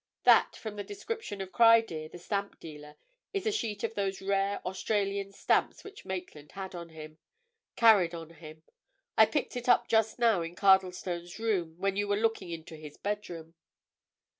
"That, from the description of Criedir, the stamp dealer, is a sheet of those rare Australian stamps which Maitland had on him—carried on him. I picked it up just now in Cardlestone's room, when you were looking into his bedroom."